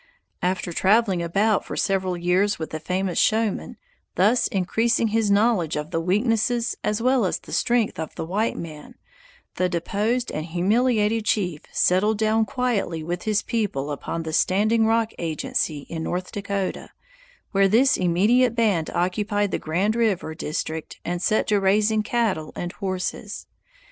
After traveling about for several years with the famous showman, thus increasing his knowledge of the weaknesses as well as the strength of the white man, the deposed and humiliated chief settled down quietly with his people upon the Standing Rock agency in North Dakota, where his immediate band occupied the Grand River district and set to raising cattle and horses.